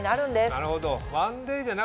なるほど。